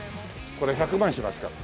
これ１００万しますから。